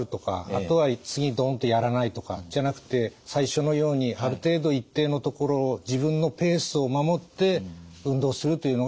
あとは次ドンとやらないとかじゃなくて最初のようにある程度一定のところを自分のペースを守って運動するというのがいいことだと思います。